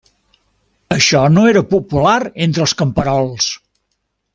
Això no era popular entre els camperols.